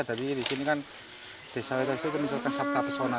di sini kan desa wisata itu misalkan sabta pesona